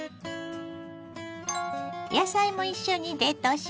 野菜も一緒に冷凍しましょ。